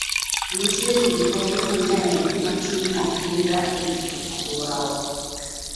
Nitie riwruoge mang'eny matimo kinda e rito alworawa.